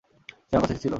সে আমার কাছে এসেছিল।